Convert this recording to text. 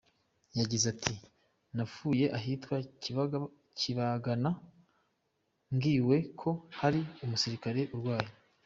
Yagize ati “Navuye ahitwa Kabagana, mbwiwe ko hari umusirikare urwaye.